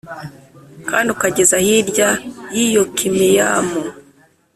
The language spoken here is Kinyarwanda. kandi ukageza hirya y’i Yokimeyamu